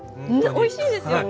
おいしいですよね。